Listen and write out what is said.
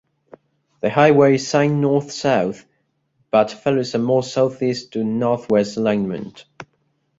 The highway is signed north-south, but follows a more southeast-to-northwest alignment.